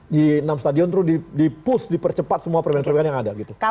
di enam stadion terus di push dipercepat semua perbaikan perbaikan yang ada gitu